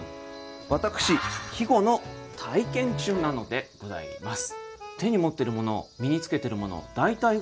私季語の体験中なのでございます。